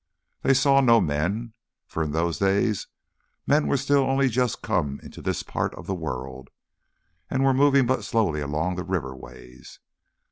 They saw no men, for in those days men were still only just come into this part of the world, and were moving but slowly along the river ways.